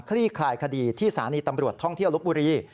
ลี่คลายคดีที่สถานีตำรวจท่องเที่ยวลบบุรี